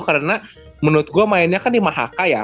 karena menurut gue mainnya kan di mahaka ya